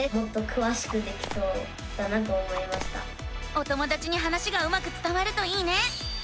お友だちに話がうまくつたわるといいね！